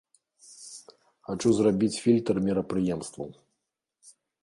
Хачу зрабіць фільтр мерапрыемстваў.